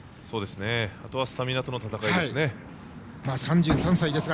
あとはスタミナとの戦いですね。